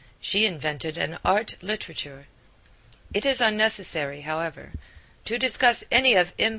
She invented an art literature. It is unnecessary, however, to discuss any of M.